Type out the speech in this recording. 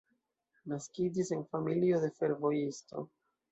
Naskiĝis en familio de fervojisto.